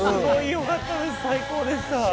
最高でした。